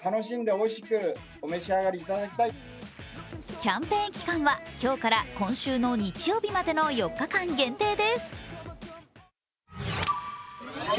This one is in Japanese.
キャンペーン期間は今日から今週の日曜日までの４日間限定です。